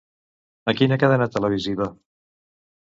A quina cadena televisiva?